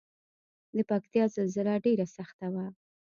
د پکتیکا زلزله ډیره سخته وه